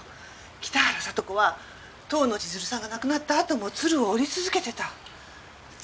北原さと子は遠野千鶴さんが亡くなったあとも鶴を折り続けてた。